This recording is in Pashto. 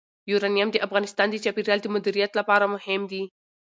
یورانیم د افغانستان د چاپیریال د مدیریت لپاره مهم دي.